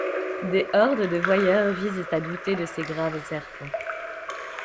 Des hordes de voyeurs visent à douter de ces graves serpents.